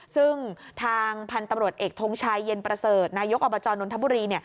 ซึ่งทางพันธุ์ตำรวจเอกทงชัยเย็นประเสริฐนายกอบจนนทบุรี